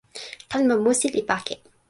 kalama musi li pake.